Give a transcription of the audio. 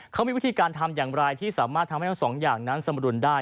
เขามีวิธีการทำอย่างไรที่สามารถทำให้ทั้งสองอย่างนั้นสมรุนได้